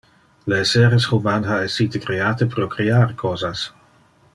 Le esseres human ha essite create pro crear cosas.